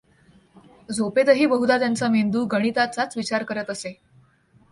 झोपेतही बहुधा त्यांचा मेंदू गणिताचाच विचार करत असे.